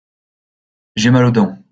J’ai mal aux dents.